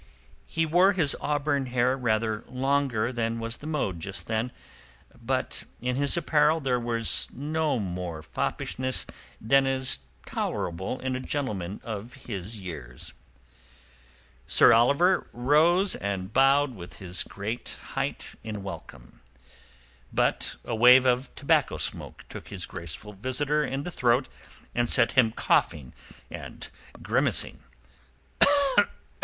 He wore his auburn hair rather longer than was the mode just then, but in his apparel there was no more foppishness than is tolerable in a gentleman of his years. Sir Oliver rose and bowed from his great height in welcome. But a wave of tobacco smoke took his graceful visitor in the throat and set him coughing and grimacing.